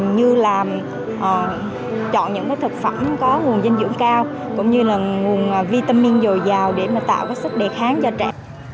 như là chọn những thực phẩm có nguồn dinh dưỡng cao cũng như là nguồn vitamin dồi dào để tạo cái sức đề kháng cho trẻ